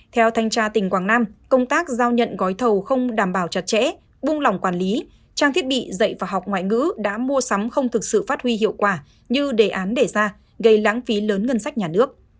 theo thanh tra tỉnh quảng nam công tác giao nhận gói thầu không đảm bảo chặt chẽ buông lỏng quản lý trang thiết bị dạy và học ngoại ngữ đã mua sắm không thực sự phát huy hiệu quả như đề án để ra gây lãng phí lớn ngân sách nhà nước